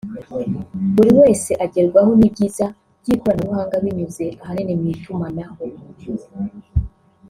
buri wese agerwaho n’ibyiza by’ikoranabuhanga binyuze ahanini mu itumanaho